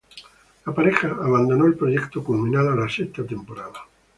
La pareja abandonó el proyecto culminada la sexta temporada.